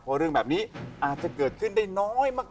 เพราะเรื่องแบบนี้อาจจะเกิดขึ้นได้น้อยมาก